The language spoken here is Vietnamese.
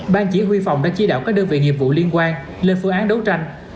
ban chỉ huy phòng đã chỉ đạo các đơn vị nghiệp vụ liên quan lên phương án đấu tranh